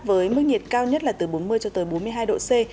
với mức nhiệt cao nhất là từ bốn mươi bốn mươi hai độ c